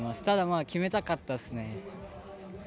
ただ、決めたかったですね。